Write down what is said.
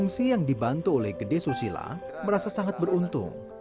pengungsi yang dibantu oleh gede susila merasa sangat beruntung